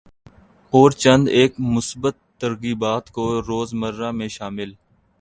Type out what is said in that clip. اور چند ایک مثبت ترغیبات کو روزمرہ میں شامل